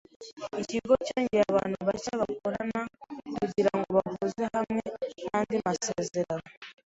Ikigo cyongeyeho abantu bashya bakorana kugirango bahuze hamwe nandi masezerano.